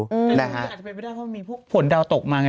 แต่มันอาจจะเป็นไม่ได้เพราะมันมีผลดาวน์ตกมาไง